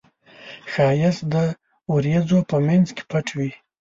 ښایست د وریځو په منځ کې پټ وي